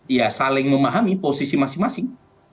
ya saling memahami posisi masing masing